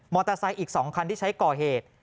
เตอร์ไซค์อีก๒คันที่ใช้ก่อเหตุ